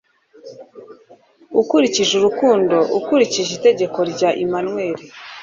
Ukurikije urukundo ukurikije itegeko rya Emmanuel